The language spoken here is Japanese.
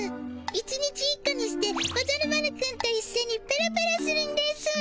１日１個にしておじゃる丸くんといっしょにペロペロするんですぅ。